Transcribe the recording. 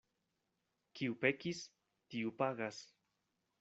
Kiu pekis, tiu pagas.